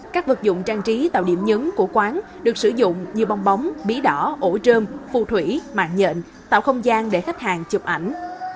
các vật dụng trang trí tạo điểm nhấn của quán được sử dụng như bong bóng bí đỏ ổ trơm phù thủy mạng nhện tạo không gian để khách hàng chụp ảnh